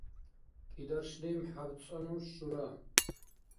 кӀидаршлим хӀябцӀанну шура